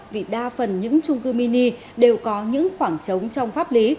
vì đa phần những trung cư mini đều có những khoảng trống trong pháp lý